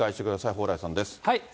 蓬莱さんです。